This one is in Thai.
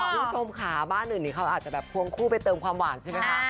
คุณผู้ชมค่ะบ้านอื่นนี้เขาอาจจะแบบควงคู่ไปเติมความหวานใช่ไหมคะ